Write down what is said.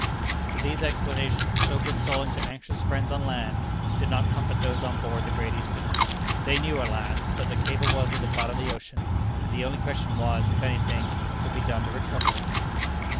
But these explanations, so consoling to anxious friends on land, did not comfort those on board the Great Eastern. They knew, alas! that the cable was at the bottom of the ocean, and the only question was, if any thing could be done to recover it.